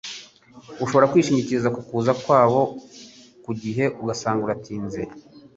Ushobora kwishingikiriza ku kuza kwabo ku gihe ugasanga uratinze.